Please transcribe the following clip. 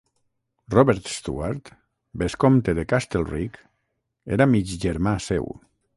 Robert Stewart, bescompte de Castlereagh, era mig germà seu.